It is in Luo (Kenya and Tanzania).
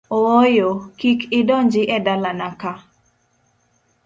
Ooyo, kik idonji e dalana ka!